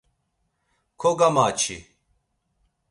Kogamaçi.